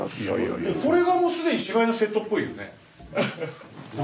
これがもう既に芝居のセットっぽいよね。